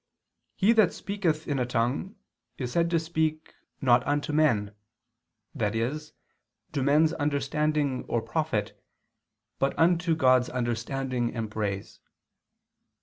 "He that speaketh in a tongue" is said to speak "not unto men," i.e. to men's understanding or profit, but unto God's understanding and praise.